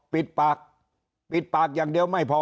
ปิดปากปิดปากอย่างเดียวไม่พอ